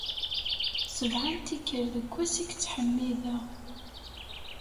Sebɛa n tikkal deg wass i k-ttḥemmideɣ.